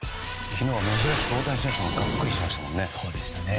昨日は珍しく大谷選手ががっくりしてましたね。